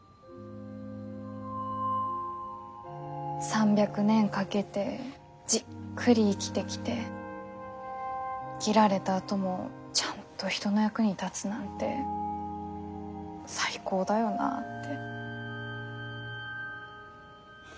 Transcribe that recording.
３００年かけてじっくり生きてきて切られたあともちゃんと人の役に立つなんて最高だよなあって。